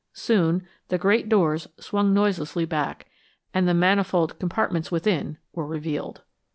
Soon the great doors swung noiselessly back and the manifold compartments within were revealed.